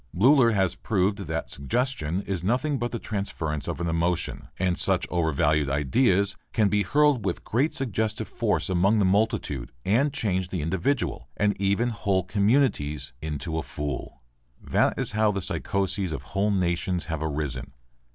Bleuler has proved that suggestion is nothing but the transference of an emotion. And such overvalued ideas can be hurled with great suggestive force among the multitude and change the individual and even whole communities into a fool. That is how the psychoses of whole nations have arisen.